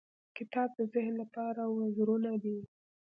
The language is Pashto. • کتاب د ذهن لپاره وزرونه دي.